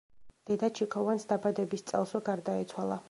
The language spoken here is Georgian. დედა ჩიქოვანს დაბადების წელსვე გარდაეცვალა.